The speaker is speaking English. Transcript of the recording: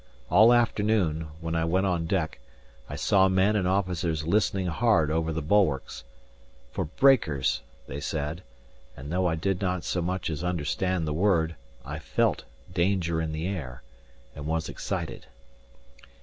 All afternoon, when I went on deck, I saw men and officers listening hard over the bulwarks "for breakers," they said; and though I did not so much as understand the word, I felt danger in the air, and was excited.